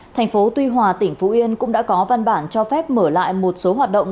thành phố tuy hòa tỉnh phú yên cũng đã có văn bản cho phép mở lại một số hoạt động